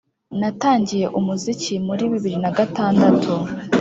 natangiye umuziki muri bibiri na gatandatu